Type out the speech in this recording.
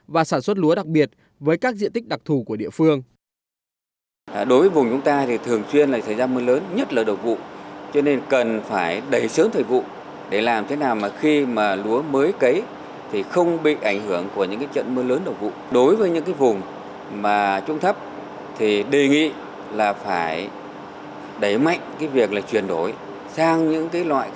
và sản xuất lúa đặc biệt với các diện tích đặc thù của địa phương